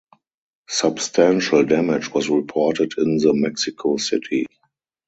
Substantial damage was reported in the Mexico City.